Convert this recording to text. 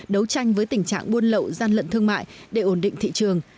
đấu tranh với tình trạng buôn lậu gian lận thương mại để ổn định thị trường